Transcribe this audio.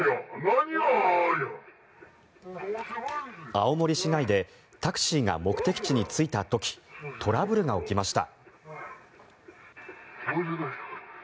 青森市内でタクシーが目的地に着いた時トラブルが起きました。